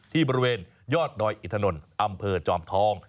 ที่บริเวณยอดดอยอินถนนอำเภอจอมทอง